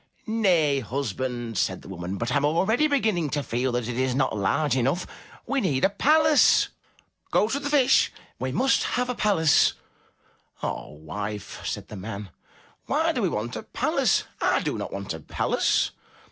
"Nay, husband, said the woman, "but I am already beginning to feel that it is not large enough. We need a palace. Go to the Fish. We must have a palace ! "Ah, wife, said the man, "why do we want a palace? I do not want a palace.